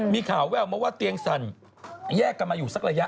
มีข่าวแววมาว่าเตียงสั่นแยกกันมาอยู่สักระยะ